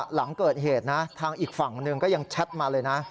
หลังเกิดเหตุนะทางอีกฝั่งหนึ่งก็ยังแชทมาเลยนะ